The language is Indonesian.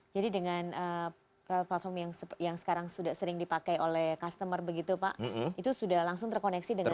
jadi dengan platform yang sekarang sudah sering dipakai oleh customer begitu pak itu sudah langsung terkoneksi dengan api